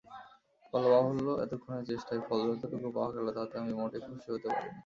বলাবাহুল্য, এতক্ষণের চেষ্টায় ফল যতটুকু পাওয়া গেল তাতে আমি মোটেই খুশি হতে পারিনি।